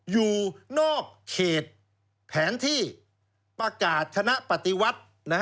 อยู่นอกเขตแผนที่ประกาศคณะปฏิวัติ